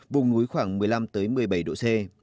vùng núi khoảng một mươi năm một mươi bảy độ c